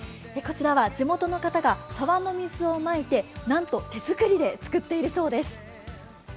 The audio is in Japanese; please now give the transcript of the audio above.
こちらは地元の方が沢の水をまいてなんと手作りで作っているそうです。